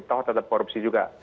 toh tetap korupsi juga